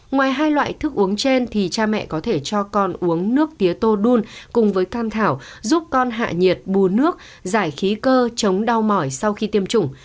ngoài hai loại thức uống trên thì cha mẹ có thể cho con uống nước tứa tô đun cùng với can thảo giúp con hạ nhiệt bù nước giải khí cơ chống đau mỏi sau khi tiêm chủng